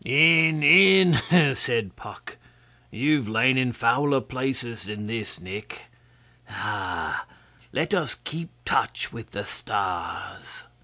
'In! in!' said Puck. 'You've lain in fouler places than this, Nick. Ah! Let us keep touch with the stars!